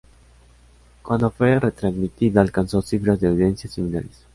Cuando fue retransmitida alcanzó cifras de audiencia similares.